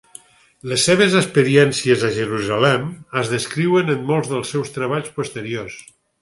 Les seves experiències a Jerusalem es descriuen en molts dels seus treballs posteriors.